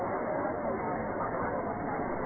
ก็จะมีอันดับอันดับอันดับ